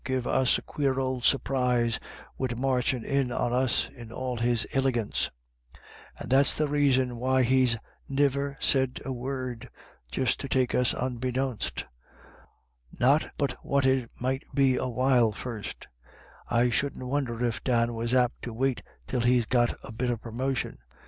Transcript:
give us a quare ould surprise wid marchin' in on us in all his ilegance; and that's the raison why's he's niver said a word — just to take us unbeknownst Not but what it may be a while first I shouldn't wonder if Dan was apt to wait till he's got a bit of promotion.